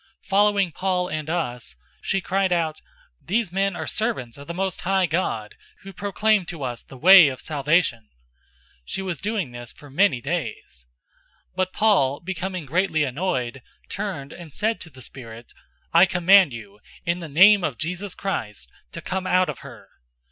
016:017 Following Paul and us, she cried out, "These men are servants of the Most High God, who proclaim to us the way of salvation!" 016:018 She was doing this for many days. But Paul, becoming greatly annoyed, turned and said to the spirit, "I charge you in the name of Jesus Christ to come out of her!"